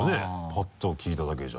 パッと聞いただけじゃ。